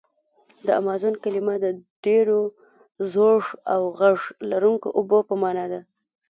د امازون کلمه د ډېر زوږ او غږ لرونکي اوبو په معنا ده.